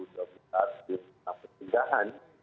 di kota petinggahan